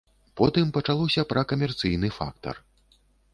Потым пачалося пра камерцыйны фактар.